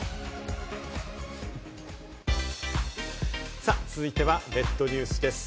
さぁ、続いてはネットニュースです。